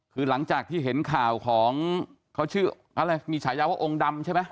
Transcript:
คือหลังจากที่เห็นข่าวของเขาชื่ออะไรมีฉายาว่าองค์ดำใช่ไหม